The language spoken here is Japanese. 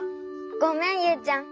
ごめんユウちゃん。